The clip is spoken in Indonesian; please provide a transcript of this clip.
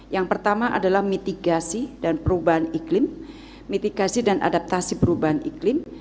yang pertama adalah mitigasi dan perubahan iklim mitigasi dan adaptasi perubahan iklim